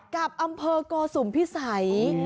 กับอำเภอโกสุมพิสัย